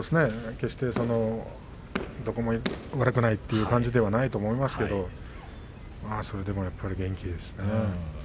決してどこも悪くないという感じではないと思いますけど元気ですね。